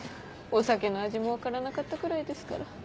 お酒の味も分からなかったくらいですから。